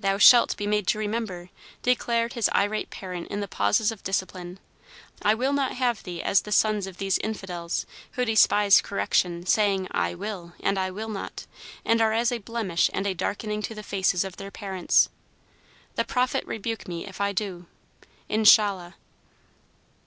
"Thou shalt be made to remember," declared his irate parent in the pauses of discipline. "I will not have thee as the sons of these infidels who despise correction, saying 'I will' and 'I will not,' and are as a blemish and a darkening to the faces of their parents. The Prophet rebuke me if I do! Inshallah!"